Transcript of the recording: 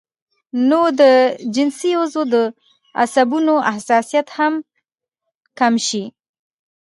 نو د جنسي عضو د عصبونو حساسيت هم کم شي